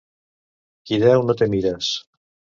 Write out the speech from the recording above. Qui deu no té mires.